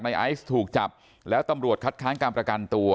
ไอซ์ถูกจับแล้วตำรวจคัดค้านการประกันตัว